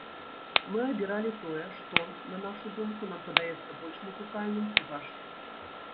Мы абіралі тое, што, на нашу думку, нам падаецца больш музыкальным, хіба што.